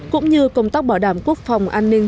cũng như công tác bảo đảm quốc phòng an ninh